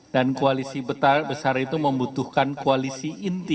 dan koalisi besar itu membutuhkan koalisi